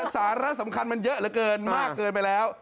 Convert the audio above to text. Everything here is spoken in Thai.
สาระสำคัญมันเยอะเหลือเกินมากเกินไปแล้ว